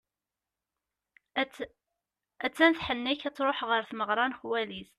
Att-an tḥennek, ad truḥ ɣer tmeɣra n xwali-s.